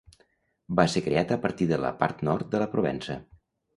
Va ser creat a partir de la part nord de la Provença.